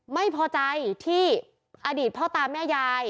ไม่พอใจที่อดีตพ่อตาแม่ยาย